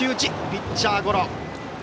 ピッチャーゴロ。